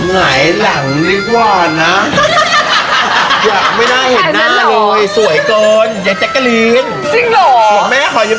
ไม่น่าเห็นหน้าเลยสวยกันอยากแตะกะรีน